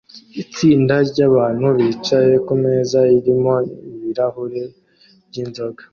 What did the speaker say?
Itsinda ryabantu bicaye kumeza irimo ibirahure byinzoga